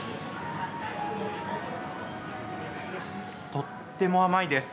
とっても甘いです。